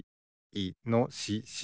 いのしし。